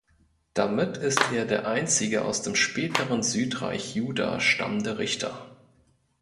Damit ist er der einzige aus dem späteren Südreich Juda stammende Richter.